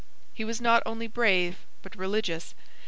He was not only brave but religious.